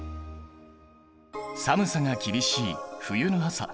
寒さが厳しい冬の朝。